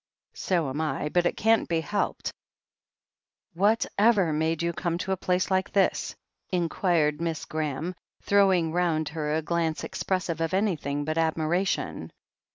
"So am I, but it can't be helped. Whatever made you come to a place like this?" inquired Miss Graham, throwing round her a glance expressive of an3rthing but admiration.